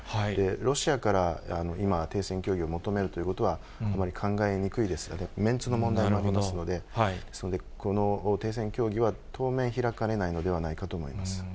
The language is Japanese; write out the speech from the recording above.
ロシアから今、停戦協議を求めるということは、あまり考えにくいですから、メンツの問題もありますので、この停戦協議は当面、開かれないのではないかと思います。